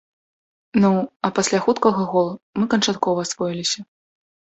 Ну а пасля хуткага гола мы канчаткова асвоіліся.